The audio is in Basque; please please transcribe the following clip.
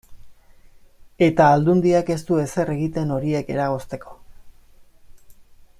Eta Aldundiak ez du ezer egiten horiek eragozteko.